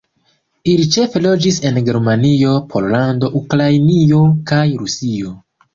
Ili ĉefe loĝis en Germanio, Pollando, Ukrainio kaj Rusio.